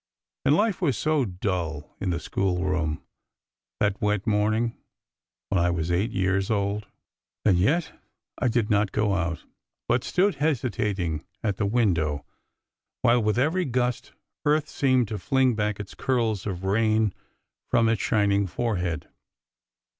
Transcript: And life was so dull in the schoolroom that wet morning when I was eight years old! And yet I did not go out, but stood hesitating at the window, while with every gust earth seemed to fling back its curls of rain from its shining forehead.